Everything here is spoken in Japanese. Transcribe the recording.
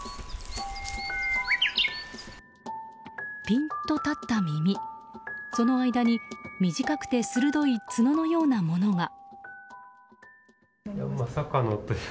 ピンと立った耳その間に短くて鋭い角のようなものが。